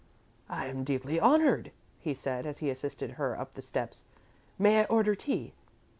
"I am deeply honoured," he said, as he assisted her up the steps. "May I order tea?"